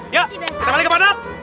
ya kita balik ke padang